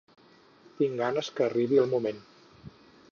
Tinc ganes que arribi el moment